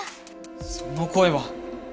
その声は！